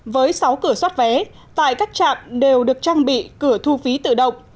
với sáu cửa xoát vé tại các trạm đều được trang bị cửa thu phí tự động